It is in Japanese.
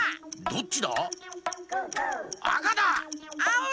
どっちだ？